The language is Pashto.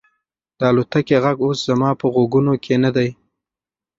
د الوتکې غږ اوس زما په غوږونو کې نه دی.